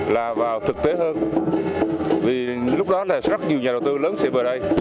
là vào thực tế hơn vì lúc đó là rất nhiều nhà đầu tư lớn sẽ về đây